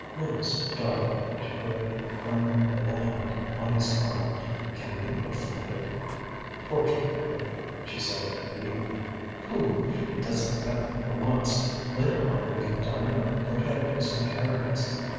ŌĆ£Lewis, darling, ŌĆØ she put a trembling little hand on his arm, ŌĆ£can we afford it? ŌĆØ Fortunately she said ŌĆ£we. ŌĆØ ŌĆ£Pooh! It doesnŌĆÖt matter for once! Later on we can dine on potatoes and herrings.